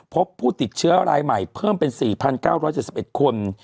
พบผู้ติดเชื้อรายใหม่เพิ่มเป็น๔๙๗๑คน